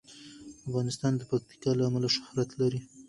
افغانستان د پکتیکا له امله شهرت لري.